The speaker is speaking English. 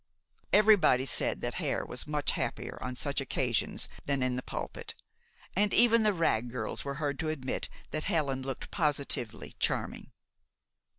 Everybody said that Hare was much happier on such occasions than in the pulpit, and even the Wragg girls were heard to admit that Helen looked positively charming.